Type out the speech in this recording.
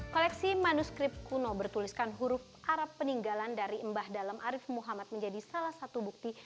koleksi manuskrip kuno bertuliskan huruf arab peninggalan dari mbah dalem arif muhammad menjadi salah satu bukti